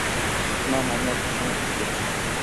না না, আমি আত্মসমর্পণ করছি।